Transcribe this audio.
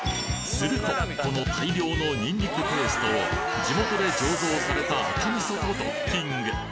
するとこの大量のニンニクペーストを地元で醸造された赤味噌とドッキング